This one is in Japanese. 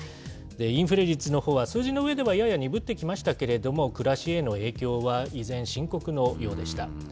インフレ率のほうは、数字の上ではやや鈍ってきましたけれども、暮らしへの影響は依然、深刻のようでした。